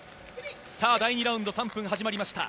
第２ラウンド３分始まりました。